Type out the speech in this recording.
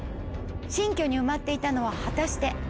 新居に埋まっていたのは果たして？